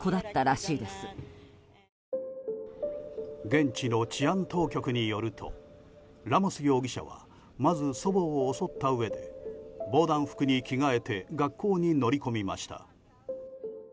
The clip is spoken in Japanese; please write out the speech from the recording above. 現地の治安当局によるとラモス容疑者はまず祖母を襲ったうえで防弾服に着替えて学校に乗り込みました。